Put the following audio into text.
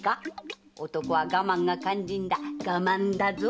男は我慢が肝心だ我慢だぞ！